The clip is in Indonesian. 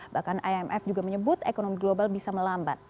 bahkan imf juga menyebut ekonomi global bisa melambat